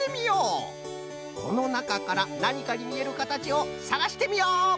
このなかからなにかにみえるかたちをさがしてみよう！